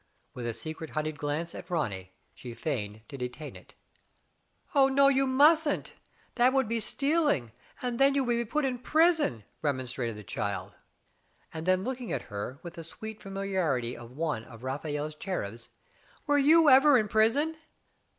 With a secret honeyed glance at Ronny, she feigned to detain it. Digitized by Google 6o THE FATE OF FENELLA, No, you mustn't! That would be stealing, and then you would be put in prison," remon strated the child. Then looking at her with the sweet familiarity of one of Raphael's cherubs, Were you ever in prison